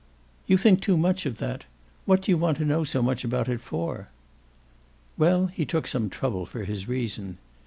"You think too much of that. What do you want to know so much about it for?" Well, he took some trouble for his reason.